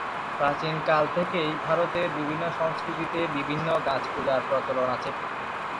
প্রাচীন কাল থেকেই ভারত-এর বিভিন্ন সংস্কৃতিতে বিভিন্ন গাছ পূজার প্রচলন আছে।